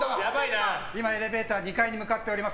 今エレベーターで２階に向かっております。